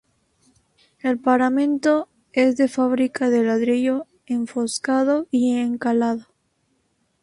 El paramento es de fábrica de ladrillo enfoscado y encalado.